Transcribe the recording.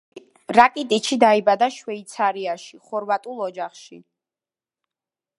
რაკიტიჩი დაიბადა შვეიცარიაში, ხორვატულ ოჯახში.